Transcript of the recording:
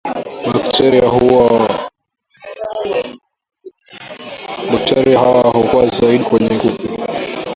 bakteria hawa hukua zaidi kwenye kupe